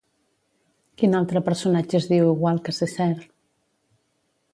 Quin altre personatge es diu igual que Cessair?